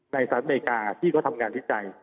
ในสหรัฐอเมริกาที่เขาทำงานที่ใจ